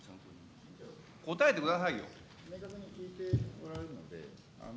答えてくださいよ。